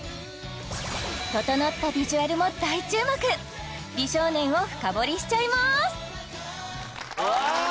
整ったビジュアルも大注目美少年を深掘りしちゃいます